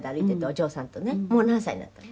「もう何歳になったの？」